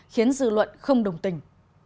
khiến dư luận không đồng tình